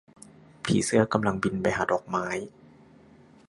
ผีเสื้อกำลังบินไปหาดอกไม้